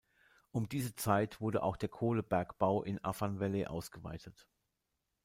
Um diese Zeit wurde auch der Kohlebergbau im Afan Valley ausgeweitet.